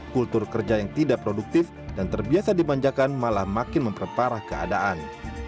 kultur kerja yang tidak produktif dan terbiasa dimanjakan malah makin memperparah keadaan